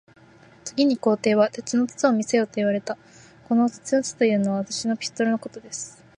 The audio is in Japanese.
次に皇帝は、鉄の筒を見せよと言われました。鉄の筒というのは、私のピストルのことです。